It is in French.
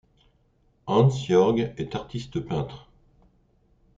Hans Jorg est artiste peintre.